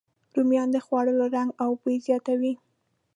رومیان د خوړو رنګ او بوی زیاتوي